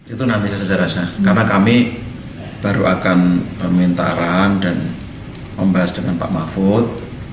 itu nanti kesejarah saya karena kami baru akan meminta arahan dan membahas dengan pak mahfud